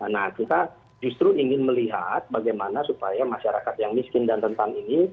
nah kita justru ingin melihat bagaimana supaya masyarakat yang miskin dan rentan ini